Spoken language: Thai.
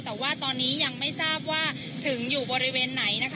แต่ว่าตอนนี้ยังไม่ทราบว่าถึงอยู่บริเวณไหนนะคะ